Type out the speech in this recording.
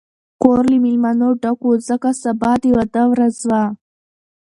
کور له مېلمنو ډک و، ځکه سبا د واده ورځ وه.